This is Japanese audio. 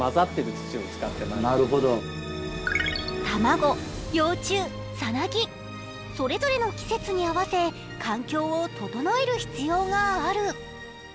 卵、幼虫、さなぎ、それぞれの季節に合わせ、環境を整える必要がある。